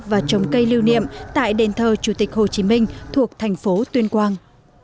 và trồng cây lưu niệm tại đền thờ chủ tịch hồ chí minh thuộc thành phố tuyên quang